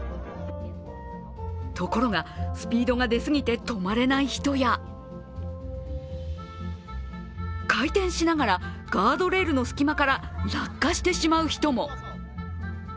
ところが、スピードが出過ぎて止まれない人や回転しながらガードレールの隙間から落下してしまう人も。